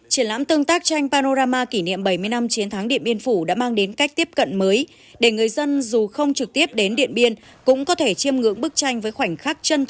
triển lãm tương tác tranh panorama kỷ niệm bảy mươi năm chiến thắng điện biên phủ đã mang đến cách tiếp cận mới để người dân dù không trực tiếp đến điện biên cũng có thể chiêm ngưỡng bức tranh với khoảnh khắc chân thực